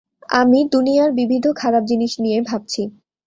আমি দুনিয়ার বিবিধ খারাপ জিনিস নিয়ে ভাবছি।